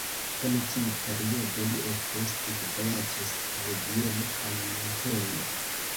En tiu periodo li ofte studvojaĝis al Vieno kaj Munkeno.